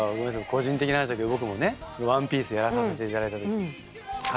個人的な話だけど僕もね「ＯＮＥＰＩＥＣＥ」やらさせていただいた時にカラクリ城の。